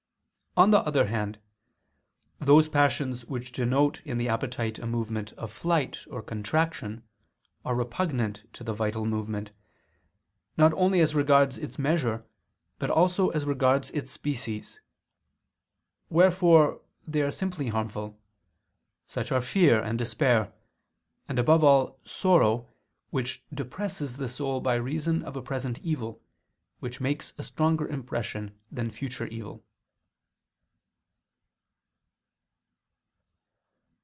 On the other hand, those passions which denote in the appetite a movement of flight or contraction, are repugnant to the vital movement, not only as regards its measure, but also as regards its species; wherefore they are simply harmful: such are fear and despair, and above all sorrow which depresses the soul by reason of a present evil, which makes a stronger impression than future evil.